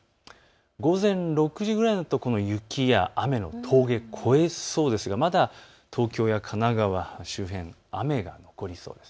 午前６時くらいになると雪や雨の峠越えそうですがまだ東京や神奈川周辺、雨が残りそうです。